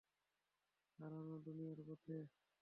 হারানো দুনিয়ার পথে!